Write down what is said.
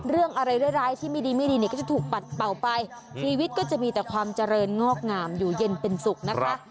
เรื่องอะไรร้ายที่ไม่ดีไม่ดีเนี่ยก็จะถูกปัดเป่าไปชีวิตก็จะมีแต่ความเจริญงอกงามอยู่เย็นเป็นสุขนะคะ